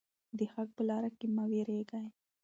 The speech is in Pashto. د حق په لاره کې مه ویریږئ.